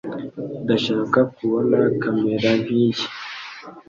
Ndashaka kubona kamera nkiyi.